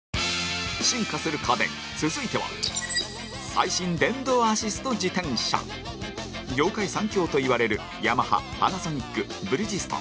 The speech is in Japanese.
進化する家電、続いては最新電動アシスト自転車業界３強といわれるヤマハ、パナソニックブリヂストン